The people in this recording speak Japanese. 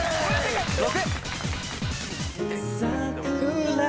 ６。